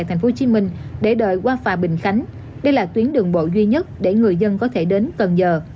thành phố hồ chí minh để đợi qua phà bình khánh đây là tuyến đường bộ duy nhất để người dân có thể đến cần giờ